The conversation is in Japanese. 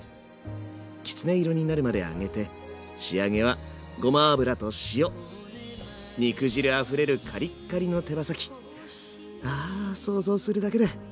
きつね色になるまで揚げて仕上げはごま油と塩肉汁あふれるカリッカリの手羽先。